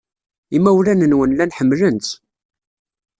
Imawlan-nwen llan ḥemmlen-tt.